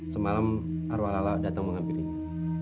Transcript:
semalam arwah lala datang mengampirinya